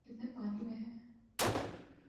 ‘ کتنے پانی میں ہیں۔